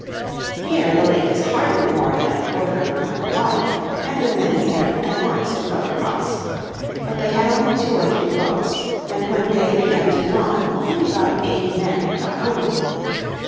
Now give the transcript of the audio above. Here the lake is hardly more than a quarter of a mile wide and the men began at once to row across. But they had only two or three boats and when day began to dawn only about eighty men had got over.